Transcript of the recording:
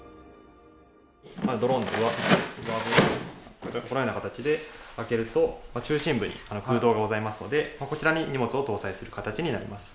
ドローンの上辺を開けると、このような形で開けると、中心部に空洞がございますので、こちらに荷物を搭載する形になります。